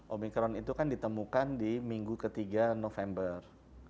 omikron itu kan ditemukan di minggu ketiga november